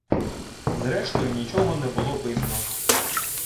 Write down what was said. Зрештою нічого не було видно.